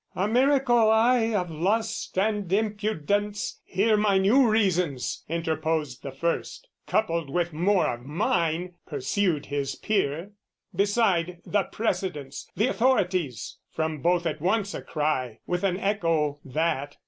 "A miracle, ay of lust and impudence; "Hear my new reasons!" interposed the first: " Coupled with more of mine!" pursued his peer. "Beside, the precedents, the authorities!" From both at once a cry with an echo, that!